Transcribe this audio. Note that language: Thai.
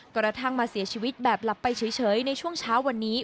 กระทั่งมาเสียชีวิตแบบหลับไปเฉยในช่วงเช้าวันนี้